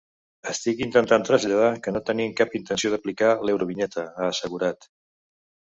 Estic intentant traslladar que no tenim cap intenció d’aplicar l’eurovinyeta, ha assegurat.